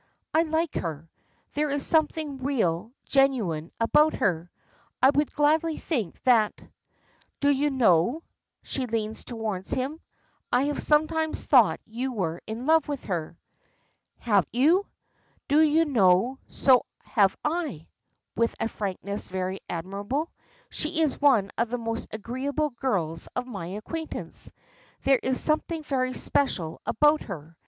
I like her. There is something real, genuine, about her. I would gladly think, that Do you know," she leans towards him, "I have sometimes thought you were in love with her." "Have you? Do you know, so have I," with a frankness very admirable. "She is one of the most agreeable girls of my acquaintance. There is something very special about her.